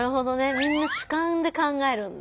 みんな主観で考えるんだ。